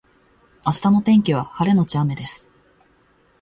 明日の天気は晴れのち雨です